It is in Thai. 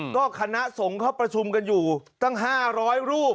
ก็คณะส่งเข้าประชุมกันอยู่ตั้งห้าร้อยรูป